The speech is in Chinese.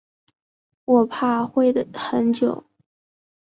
我怕会等很久